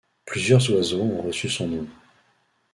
Plusieurs oiseaux ont reçu son nom.